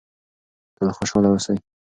تل خوشحاله اوسئ.